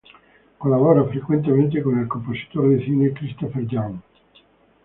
Colabora frecuentemente con el compositor de cine Christopher Young.